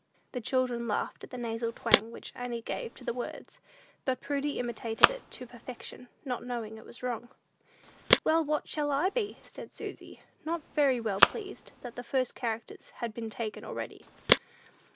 The children laughed at the nasal twang which Annie gave to the words, and Prudy imitated it to perfection, not knowing it was wrong. "Well, what shall I be?" said Susy, not very well pleased that the first characters had been taken already.